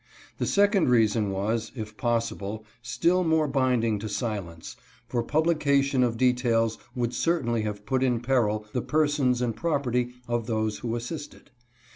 The second reason was, if possible, still more binding to silence— for publication of details would cer tainly have put in peril the persons and property of those who assisted.